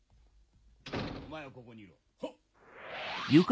・お前はここにいろ・・はっ！